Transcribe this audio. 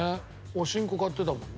おしんこ買ってたもんね。